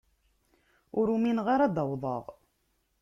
Ur umineɣ ara ad d-awḍeɣ.